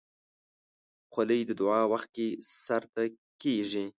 خولۍ د دعا وخت کې سر ته کېږي.